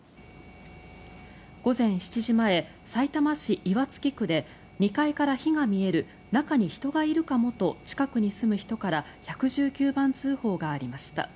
午前７時前、さいたま市岩槻区で２階から火が見える中に人がいるかもと近くに住む人から１１９番通報がありました。